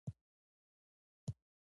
همغږي څنګه رامنځته کیږي؟